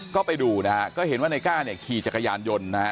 ก็ไปดูนะฮะก็เห็นว่าในก้าเนี่ยขี่จักรยานยนต์นะฮะ